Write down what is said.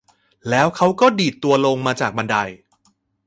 แล้วเขาก็ดีดตัวลงมาจากบันได